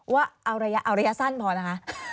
ว่าเอาระยะสั้นพอนะคะ